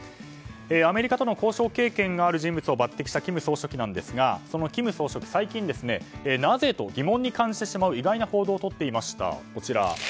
アメリカとの交渉経験がある人物を抜擢した金総書記なんですがその金総書記、最近なぜ？と疑問に感じる意外な行動をとっていました。